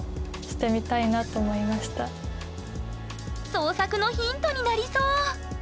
創作のヒントになりそう！